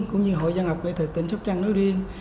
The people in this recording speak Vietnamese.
cũng như hội văn học nghệ thực tỉnh sóc trăng nói riêng